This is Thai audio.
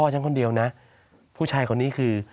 ฉันคนเดียวนะผู้ชายคนนี้คือ